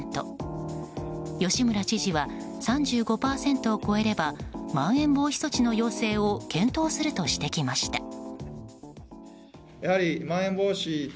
吉村知事は３５％を超えればまん延防止措置の要請を検討するとしてきました。